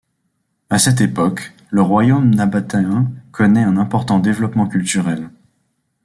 À cette époque, le royaume nabatéen connaît un important développement culturel.